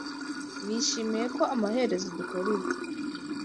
Nishimiye ko amaherezo dukora ibi.